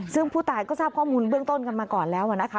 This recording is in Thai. ซึ่งผู้ตายก็ทราบข้อมูลเบื้องต้นกันมาก่อนแล้วนะคะ